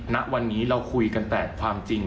ณวันนี้เราคุยกันแต่ความจริง